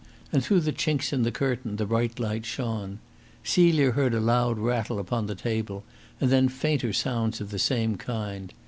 And through the chinks in the curtain the bright light shone. Celia heard a loud rattle upon the table, and then fainter sounds of the same kind.